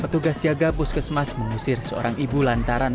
petugas siaga puskesmas mengusir seorang ibu lantaran